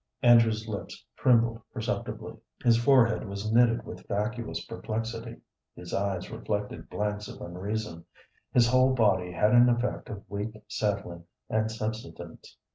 Andrew's lips trembled perceptibly; his forehead was knitted with vacuous perplexity; his eyes reflected blanks of unreason; his whole body had an effect of weak settling and subsidence.